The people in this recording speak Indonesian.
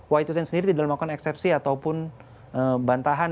wahyusen sendiri tidak melakukan eksepsi ataupun bantahan